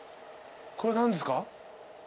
これ何ですか？